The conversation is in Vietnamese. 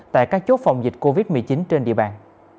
tại các chốt phòng dịch covid một mươi chín trên địa bàn